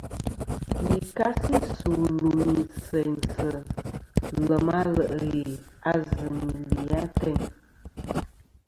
Yì kasi su lùmì seynsɨ lèm a le' ghè a zɨ nì li atayn.